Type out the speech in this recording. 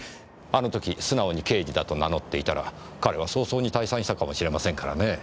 あの時素直に刑事だと名乗っていたら彼は早々に退散したかもしれませんからねぇ。